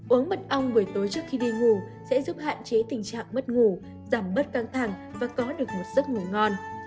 uống mất ong buổi tối trước khi đi ngủ sẽ giúp hạn chế tình trạng mất ngủ giảm bớt căng thẳng và có được một giấc ngủ ngon